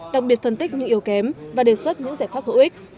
đặc biệt phân tích những yếu kém và đề xuất những giải pháp hữu ích